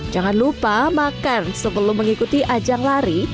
jangan lupa makan sebelum mengikuti ajang lari